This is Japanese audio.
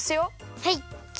はい！